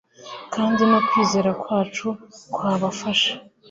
kandi no kwizera kwacu kwabafasha